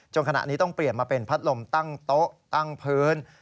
ขณะนี้ต้องเปลี่ยนมาเป็นพัดลมตั้งโต๊ะตั้งพื้น